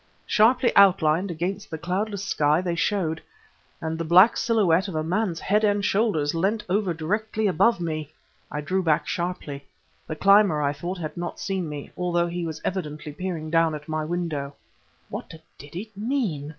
Sharply outlined against the cloudless sky they showed ... and the black silhouette of a man's head and shoulders leant over directly above me! I drew back sharply. The climber, I thought, had not seen me, although he was evidently peering down at my window. What did it mean?